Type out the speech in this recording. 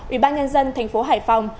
ủy ban nhân dân thành phố hải phòng